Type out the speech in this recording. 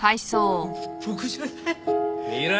僕じゃない。